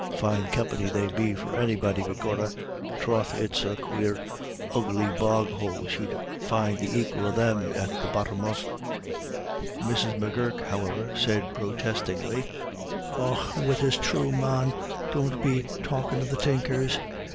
Fine company they'd be for anybody begorrah. Troth, it's the quare ugly boghoule she'd find the aquil of thim at the bottom of." Mrs. M'Gurk, however, said protestingly, "Och, wirrasthrew, man, don't be talkin' of the Tinkers.